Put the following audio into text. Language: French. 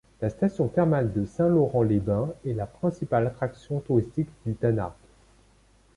La station thermale de Saint-Laurent-les-Bains est la principale attraction touristique du Tanargue.